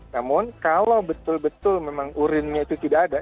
namun kalau betul betul memang urinnya itu tidak ada